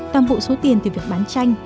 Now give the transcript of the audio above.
tầm bộ số tiền từ việc bán tranh